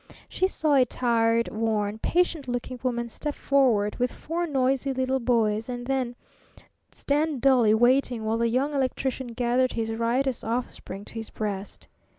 She saw a tired, worn, patient looking woman step forward with four noisy little boys, and then stand dully waiting while the Young Electrician gathered his riotous offspring to his breast.